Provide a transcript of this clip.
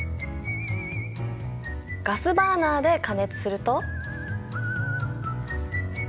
ガスバーナーで加熱すると。